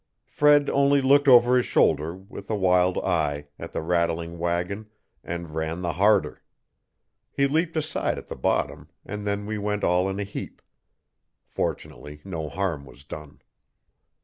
Fred only looked over his shoulder, with a wild eye, at the rattling wagon and ran the harder. He leaped aside at the bottom and then we went all in a heap. Fortunately no harm was done.